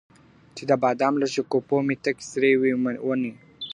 چي د بادام له شګوفو مي تکي سرې وي وني .